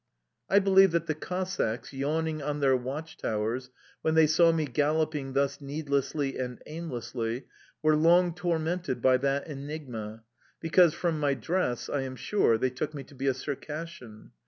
I believe that the Cossacks, yawning on their watch towers, when they saw me galloping thus needlessly and aimlessly, were long tormented by that enigma, because from my dress, I am sure, they took me to be a Circassian.